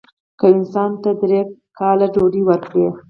که یو انسان ته درې کاله ډوډۍ ورکړه.